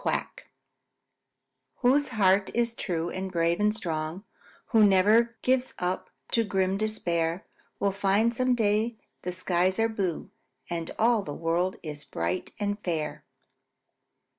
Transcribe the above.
QUACK Whose heart is true and brave and strong, Who ne'er gives up to grim despair, Will find some day that skies are blue And all the world is bright and fair.